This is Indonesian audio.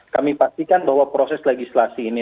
kami pastikan bahwa proses legislasi ini